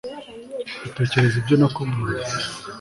utekereze ibyo nakubwiye